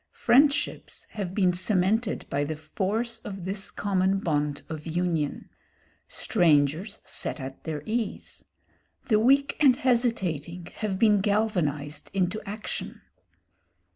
Friendships have been cemented by the force of this common bond of union; strangers set at their ease; the weak and hesitating have been galvanised into action.